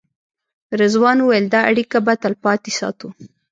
رضوان وویل دا اړیکه به تلپاتې ساتو.